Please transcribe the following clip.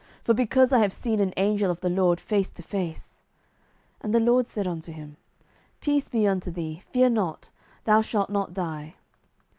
for because I have seen an angel of the LORD face to face. 07:006:023 And the LORD said unto him, Peace be unto thee; fear not: thou shalt not die.